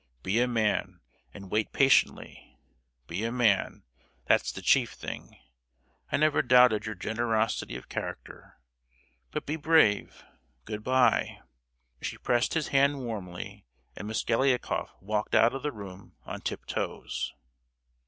Be a man, and wait patiently—be a man, that's the chief thing! I never doubted your generosity of character; but be brave—good bye!" She pressed his hand warmly, and Mosgliakoff walked out of the room on tip toes.